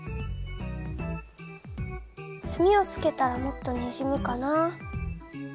墨をつけたらもっとにじむかな？